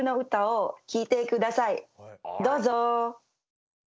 どうぞ。